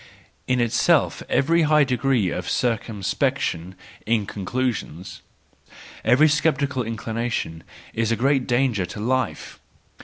In itself every high degree of circumspection in conclusions, every sceptical inclination, is a great danger to life.